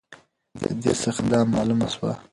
د دې څخه دا معلومه سوه